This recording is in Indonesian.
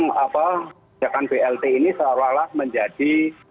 kebijakan blt ini seolah olah menjadi